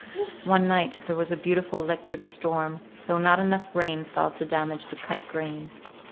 One night there was a beautiful electric storm, though not enough rain fell to damage the cut grain.